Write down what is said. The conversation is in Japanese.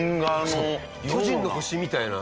そう『巨人の星』みたいな。